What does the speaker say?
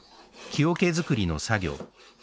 木桶作りの作業。